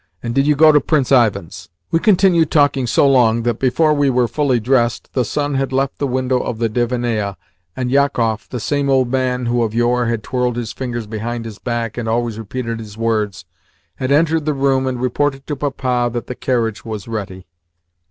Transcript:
And did you go to Prince Ivan's?" We continued talking so long that, before we were fully dressed, the sun had left the window of the divannaia, and Jakoff (the same old man who of yore had twirled his fingers behind his back and always repeated his words) had entered the room and reported to Papa that the carriage was ready.